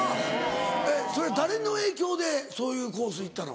えっそれ誰の影響でそういうコース行ったの？